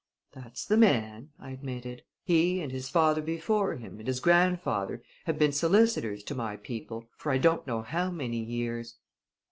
"That's the man," I admitted. "He and his father before him, and his grandfather, have been solicitors to my people for I don't know how many years!"